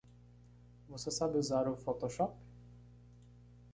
Você sabe usar o Photoshop?